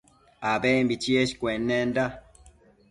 abembi cheshcuennenda